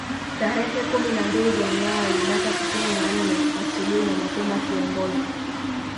Tarehe kumi na mbili Januari mwaka sitini na nne asubuhi na mapema kiongozi